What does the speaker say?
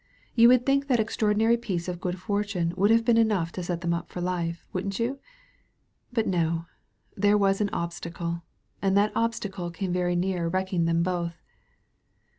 You would think that extraordinary piece of good fortune would have been enough to set them up for life, wouldn't you? But no. There was an Obstacle. And that Obstacle came very near wrecking them both.